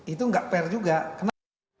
itu nggak fair juga